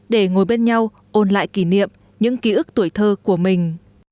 để ngồi bên nhau ôn lại kỷ niệm những ký ức tuổi thơ của mình